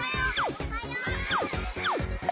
・おはよう！